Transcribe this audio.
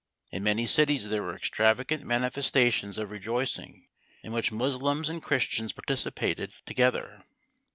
In many cities there were extravagant manifestations of rejoicing, in which Moslems and Christians participated together.